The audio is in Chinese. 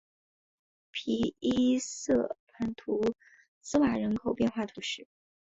皮伊塞蓬图瓦兹人口变化图示